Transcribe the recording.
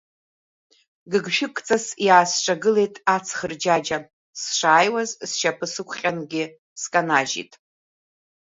Гыгшәыгҵас иаасҿагылеит ац хырџьаџьа, сшааиуаз сшьапы сықәҟьангьы сканажьит.